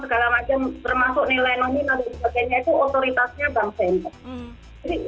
segala macam termasuk nilai nominal dan sebagainya itu otoritasnya bank senter